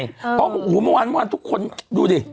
เมื่อวานทุกคนดูดิ